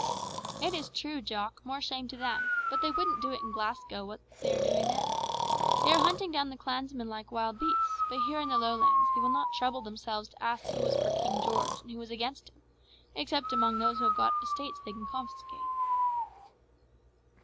"It is true, Jock, more shame to them; but they wouldn't do in Glasgow what they are doing there. They are hunting down the clansmen like wild beasts; but here in the Lowlands they will not trouble themselves to ask who was for King George and who was against him, except among those who have got estates they can confiscate."